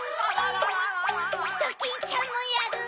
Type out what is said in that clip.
ドキンちゃんもやる！